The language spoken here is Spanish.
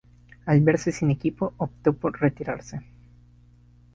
Al verse sin equipo, optó por retirarse.